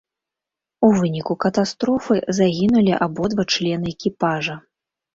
У выніку катастрофы загінулі абодва члены экіпажа.